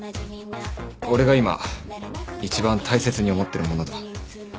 俺が今一番大切に思ってるものだ。